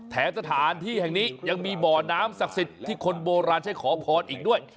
สถานที่แห่งนี้ยังมีบ่อน้ำศักดิ์สิทธิ์ที่คนโบราณใช้ขอพรอีกด้วย